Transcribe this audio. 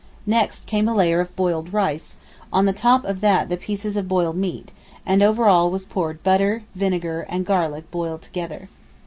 Next came a layer of boiled rice, on the top of that the pieces of boiled meat, and over all was poured butter, vinegar and garlic boiled together.